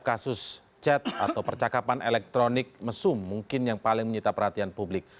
kasus chat atau percakapan elektronik mesum mungkin yang paling menyita perhatian publik